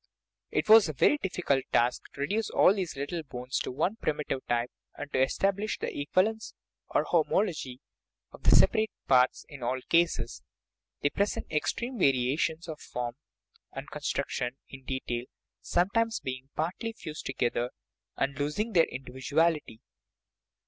It was a very difficult task to reduce all these little bones to one primitive type, and to establish the equivalence (or homology) of the separate parts in all cases ; they present extreme variations of form and construction in detail, sometimes being partly fused together and losing their individuality.